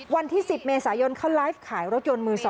วันที่๑๐เมษายนเขาไลฟ์ขายรถยนต์มือ๒